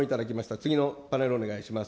次のパネルをお願いします。